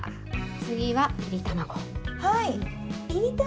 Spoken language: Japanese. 次はいり卵。